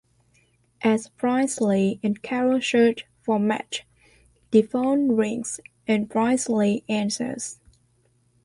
As Brindsley and Carol search for matches, the phone rings and Brindsley answers.